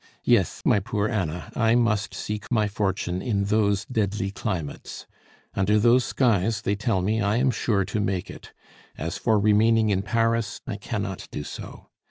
Yes, my poor Anna, I must seek my fortune in those deadly climates. Under those skies, they tell me, I am sure to make it. As for remaining in Paris, I cannot do so.